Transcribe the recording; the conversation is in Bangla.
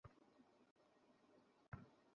ও তোমার বন্ধু নয়, বুঝেছো?